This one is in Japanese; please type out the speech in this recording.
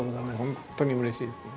本当にうれしいですね。